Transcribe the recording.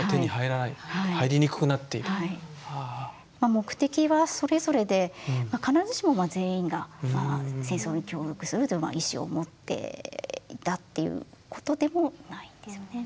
目的はそれぞれで必ずしも全員が戦争に協力するという意思を持っていたっていうことでもないんですよね。